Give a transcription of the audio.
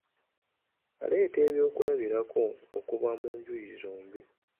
Aleete ebyokulabirako okuva ku njuyi zombi.